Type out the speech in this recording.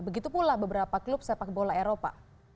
begitu pula beberapa klub sepak bola eropa